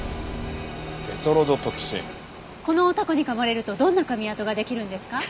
このタコに噛まれるとどんな噛み跡が出来るんですか？